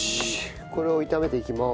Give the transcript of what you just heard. これを炒めていきます。